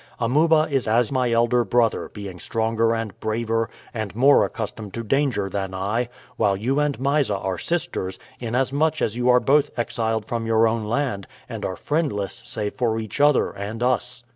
Amuba is as my elder brother, being stronger and braver and more accustomed to danger than I; while you and Mysa are sisters, inasmuch as you are both exiled from your own land, and are friendless, save for each other and us."